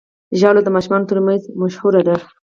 ژاوله د ماشومانو ترمنځ مشهوره ده.